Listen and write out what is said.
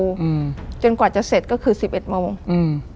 อืมจนกว่าจะเสร็จก็คือสิบเอ็ดโมงอืม